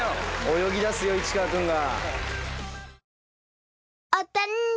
泳ぎだすよ市川君が。